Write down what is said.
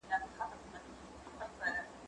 هغه څوک چي تکړښت کوي روغ اوسي!؟